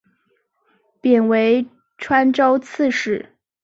贬为川州刺史。